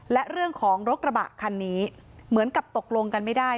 และเรื่องของรถกระบะคันนี้เหมือนกับตกลงกันไม่ได้